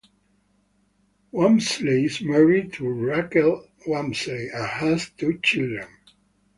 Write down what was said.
Wamsley is married to Rachel Wamsley and has two children.